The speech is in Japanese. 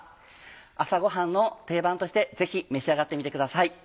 朝ごはんの定番としてぜひ召し上がってみてください。